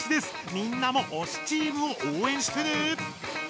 みんなもおしチームをおうえんしてね！